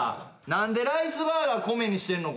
何でライスバーガー米にしてんの？